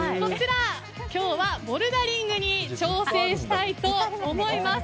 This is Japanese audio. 今日はボルダリングに挑戦したいと思います。